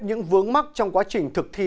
những vướng mắc trong quá trình thực thi